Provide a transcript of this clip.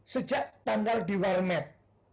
sejak tanggal di war mat